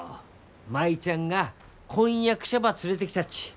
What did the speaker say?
舞ちゃんが婚約者ば連れてきたっち。